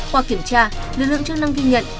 qua kiểm tra lực lượng chức năng ghi nhận